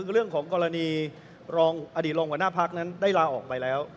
เรื่องของกรณีรองอดีตรองหัวหน้าพักนั้นได้ลาออกไปแล้ว